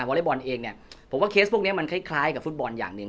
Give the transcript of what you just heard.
อเล็กบอลเองเนี่ยผมว่าเคสพวกนี้มันคล้ายกับฟุตบอลอย่างหนึ่ง